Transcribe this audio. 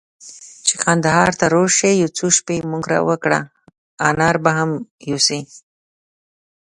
چي کندهار ته راسې، يو څو شپې زموږ کره وکړه، انار به هم يوسې.